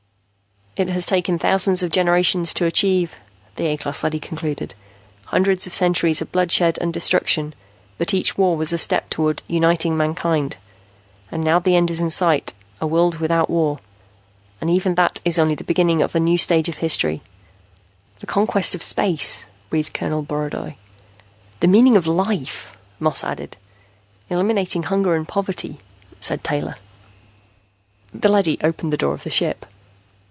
"It has taken thousands of generations to achieve," the A class leady concluded. "Hundreds of centuries of bloodshed and destruction. But each war was a step toward uniting mankind. And now the end is in sight: a world without war. But even that is only the beginning of a new stage of history." "The conquest of space," breathed Colonel Borodoy. "The meaning of life," Moss added. "Eliminating hunger and poverty," said Taylor. The leady opened the door of the ship.